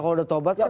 kalau udah tobat kan